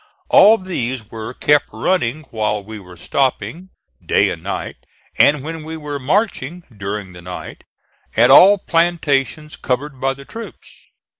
All these were kept running while we were stopping, day and night, and when we were marching, during the night, at all plantations covered by the troops.